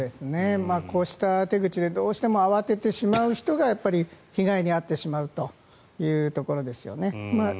こうした手口でどうしても慌ててしまう人がやっぱり被害に遭ってしまうというところですよね。